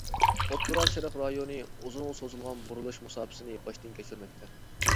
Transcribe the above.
ئوتتۇرا شەرق رايونى ئۇزۇنغا سوزۇلغان بۇرۇلۇش مۇساپىسىنى باشتىن كەچۈرمەكتە.